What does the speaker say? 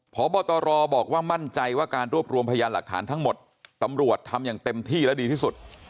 พบตรบอกว่ามั่นใจว่าการรวบรวมพยานหลักฐานทั้งหมดตำรวจทำอย่างเต็มที่และดีที่สุด